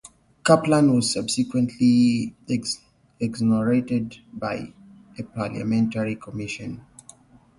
Caplan was subsequently exonerated by a parliamentary commission.